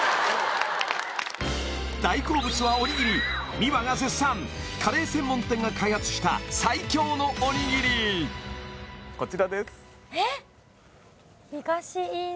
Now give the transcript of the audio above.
大好物はおにぎりｍｉｗａが絶賛カレー専門店が開発した最強のおにぎりこちらですえっ？